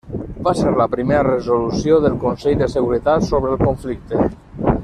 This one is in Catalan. Va ser la primera resolució del Consell de Seguretat sobre el conflicte.